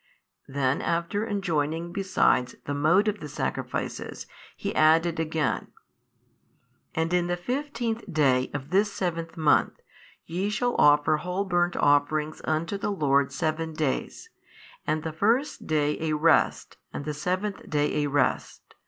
Then after enjoining besides the mode of the sacrifices, He added again, And in the fifteenth day of this seventh month, ye shall offer whole burnt offerings unto the Lord seven days, and the first day a rest and the seventh 6 day a rest.